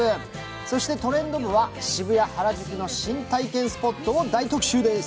そして「トレンド部」は渋谷・原宿の新体験スポットを大特集です。